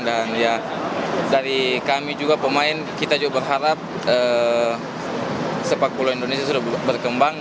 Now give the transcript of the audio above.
dan ya dari kami juga pemain kita juga berharap sepak bola indonesia sudah berkembang